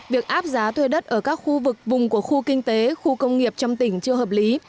việc áp giá thuê đất ở các khu vực vùng của khu kinh tế khu công nghiệp trong tỉnh chưa hợp lý